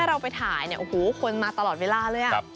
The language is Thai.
เราไปถ่ายเนี่ยโอ้โหคนมาตลอดเวลาเลย